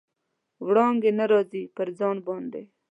وړانګې نه راځي، پر ځان باندې